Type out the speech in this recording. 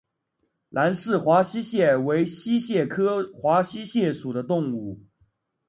兰氏华溪蟹为溪蟹科华溪蟹属的动物。